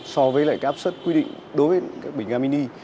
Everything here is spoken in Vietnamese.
so với lại cái áp suất quy định đối với bình ga mini